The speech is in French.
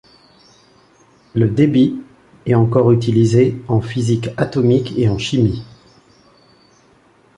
Le debye est encore utilisé en physique atomique et en chimie.